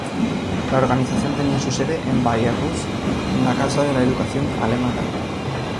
La organización tenía su sede en Bayreuth en la Casa de la Educación Alemana.